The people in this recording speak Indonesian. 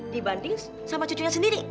dibanding sama cucunya sendiri